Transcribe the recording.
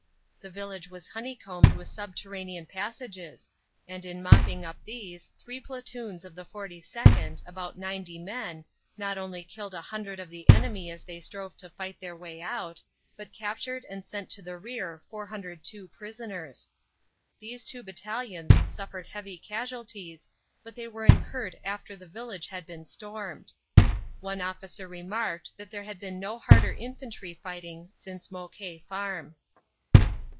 The village was honeycombed with subterranean passages, and in mopping up these three platoons of the 42nd., about 90 men, not only killed a hundred of the enemy as they strove to fight their way out, but captured and sent to the rear 402 prisoners. These two battalions suffered heavy casualties but they were incurred after the village had been stormed. One officer remarked that there had been no harder infantry fighting since Mouquet Farm.